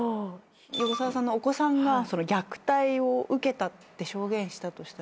横澤さんのお子さんが虐待を受けたって証言したとしたら。